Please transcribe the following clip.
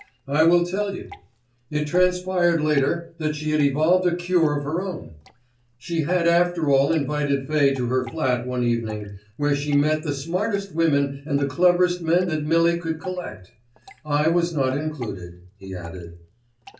I will tell you. It transpired later that she had evolved a cure of her own. "She had after all invited Fay to her flat one evening, where she met the smartest women and the cleverest men that Millie could collect. I was not included," he added.